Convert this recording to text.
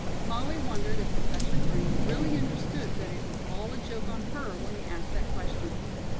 Molly wondered if Professor Green really understood that it was all a joke on her when he asked that question.